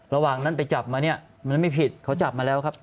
ระหว่างนั้นไปจับมาเนี่ยมันไม่ผิดเขาจับมาแล้วครับ